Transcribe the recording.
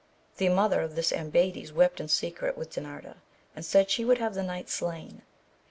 The mother of this Ambades wept in secret with Din arda, and said she would have the knights slain.